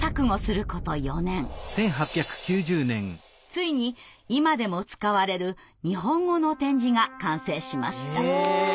ついに今でも使われる日本語の点字が完成しました。